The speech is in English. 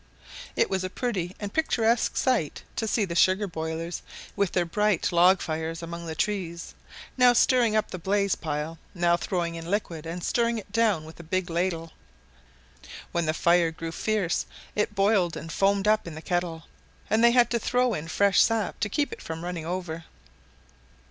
It was a pretty and picturesque sight to see the sugar boilers, with their bright log fire among the trees, now stirring up the blazing pile, now throwing in the liquid and stirring it down with a big ladle. When the fire grew fierce, it boiled and foamed up in the kettle, and they had to throw in fresh sap to keep it from running over.